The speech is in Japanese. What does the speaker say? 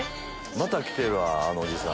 また来てるわあのおじさん。